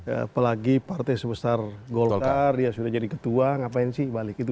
apalagi partai sebesar golkar dia sudah jadi ketua ngapain sih balik itu